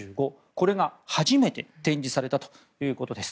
これが初めて展示されたということです。